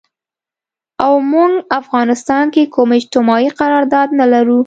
او مونږ افغانستان کې کوم اجتماعي قرارداد نه لرو